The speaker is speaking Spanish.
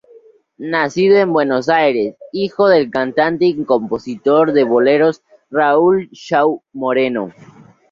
Nacido en Buenos Aires, Hijo del cantante y compositor de Boleros Raúl Shaw Moreno.